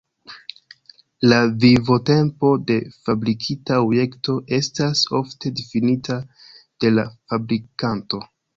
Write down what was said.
La vivotempo de fabrikita objekto estas ofte difinita de la fabrikanto.